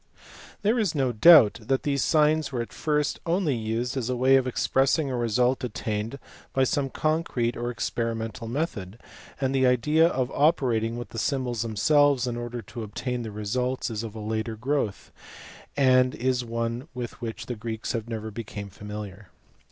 There is no doubt that these signs were at first only used as a way of expressing a result attained by some concrete or experimental method, and the idea of operating with the symbols themselves in order to obtain the results is of a later growth, and is one with which the Greeks never became familiar.